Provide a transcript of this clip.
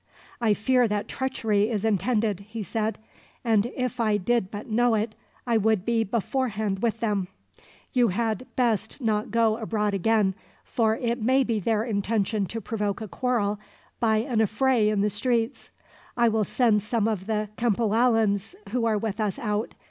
"I fear that treachery is intended," he said, "and if I did but know it, I would be beforehand with them. You had best not go abroad again, for it may be their intention to provoke a quarrel, by an affray in the streets. I will send some of the Cempoallans who are with us out.